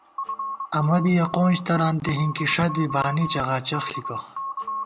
امہ بی یَہ قونج تران دی ہِنکِݭَت بی بانی چغاچغ ݪِکہ